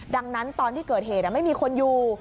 ดังนั้นตอนที่เกิดเหตุไม่มีคนอยู่